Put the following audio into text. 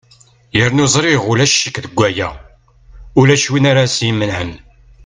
yernu ẓriɣ ulac ccek deg waya ulac win ara s-imenɛen